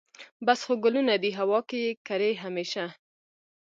بس خو ګلونه دي هوا کې یې کرې همیشه